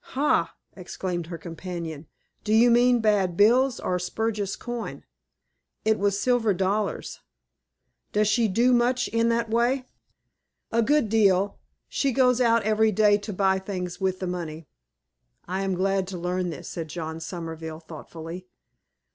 "Ha!" exclaimed her companion. "Do you mean bad bills, or spurious coin?" "It was silver dollars." "Does she do much in that way?" "A good deal. She goes out every day to buy things with the money." "I am glad to learn this," said John Somerville, thoughtfully.